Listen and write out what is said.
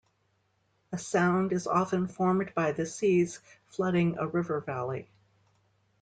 A sound is often formed by the seas flooding a river valley.